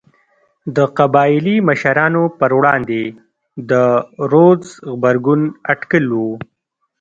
د قبایلي مشرانو پر وړاندې د رودز غبرګون اټکل و.